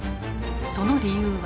その理由は。